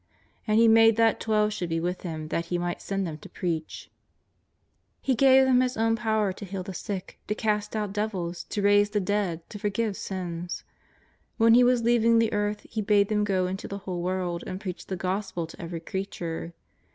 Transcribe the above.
And He made that twelve should be with Him that He might send them to preach. '^ He gave them His own power to heal the sick, to cast out devils, to raise the dead, to forgive sins. When He was leaving the earth He bade them go into the whole world and preach the Gospel to every creature.